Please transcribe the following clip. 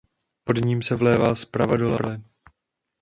Pod ním se vlévá zprava do Labe.